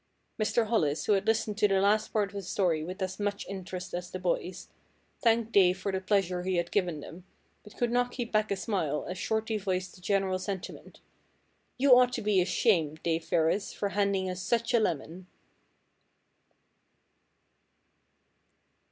Mr. Hollis, who had listened to the last part of the story with as much interest as the boys, thanked Dave for the pleasure he had given them, but could not keep back a smile as Shorty voiced the general sentiment, "You ought to be ashamed, Dave Ferris, for handing us such a lemon."